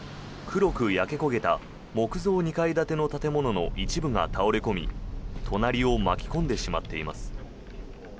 黒く焼け焦げた木造２階建ての建物の一部が倒れ込み隣を巻き込んでしまっています。